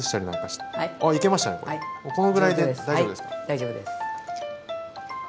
大丈夫です。